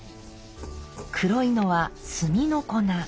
黒いのは炭の粉。